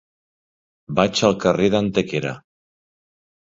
Vaig al carrer d'Antequera.